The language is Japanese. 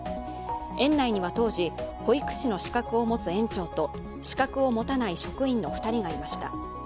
園内には当時保育士の資格を持つ園長と資格を持たない職員の２人がいました。